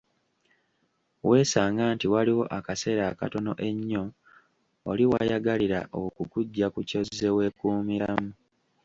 Weesanga nti waliwo akaseera akatono ennyo oli wayagalira okukugya ku ky'ozze weekuumiramu.